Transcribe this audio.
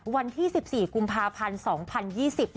วันที่๑๔กุมภาพันธ์๒๐๒๐